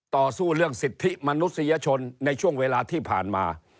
ต่อสู้เรื่องสิทธิมนุษยชนในช่วงเวลาที่ผ่านมา